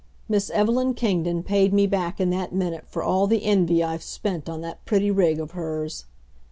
Miss Evelyn Kingdon paid me back in that minute for all the envy I've spent on that pretty rig of hers.